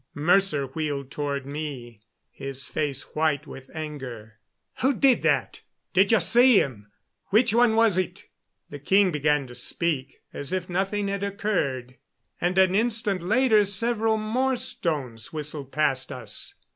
Mercer wheeled toward me, his face white with anger. "Who did that did you see him? Which one was it?" The king began to speak, as if nothing had occurred, and an instant later several more stones whistled past us.